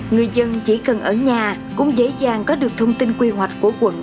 người dân chỉ cần ở nhà cũng dễ dàng có được thông tin quy hoạch của quận